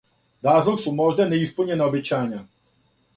Разлог су можда неиспуњена обећања.